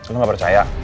lu gak percaya